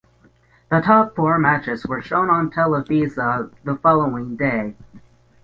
The top four matches were shown on Televisa the following day.